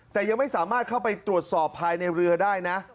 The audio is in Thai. แต่ยังไม่สามารถเข้าไปตรวจสอบภายในเรือได้นะ